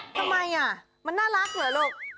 ทำไมมันน่ารักเหรอลูก